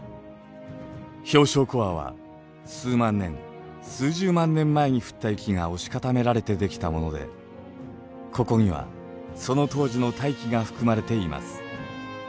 氷床コアは数万年数十万年前に降った雪が押し固められて出来たものでここにはその当時の大気が含まれています。